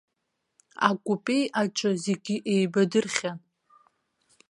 Акупе аҿы зегьы еибадырхьан.